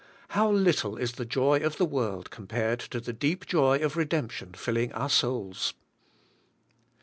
How little is the joy of the world compared to the deep joy of redemption filling our souls.